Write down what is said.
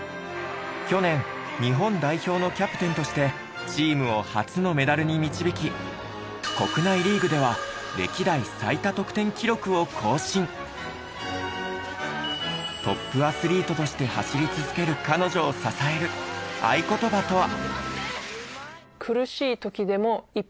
去年日本代表のキャプテンとしてチームを初のメダルに導き国内リーグではトップアスリートとして走り続ける彼女を支える愛ことばとは？